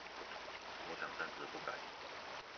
我想暫時不改